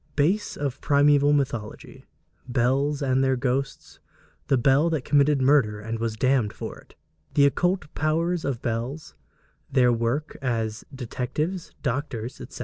Base of the Primeval Mythology Bells and their Ghosts The Bell that committed Murder and was damned for it The Occult Powers of Bells Their Work as Detectives, Doctors, etc.